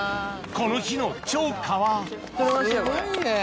この日の釣果はすごいね！